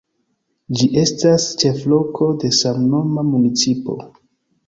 Ĝi estas ĉefloko de samnoma municipo.